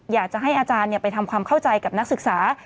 อยากจะให้อาจารย์ไปทำความเข้าใจกับนักศึกษา